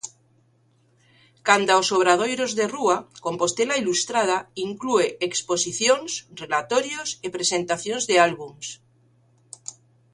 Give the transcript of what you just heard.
Canda os obradoiros de rúa, Compostela Ilustrada inclúe exposicións, relatorios e presentacións de álbums.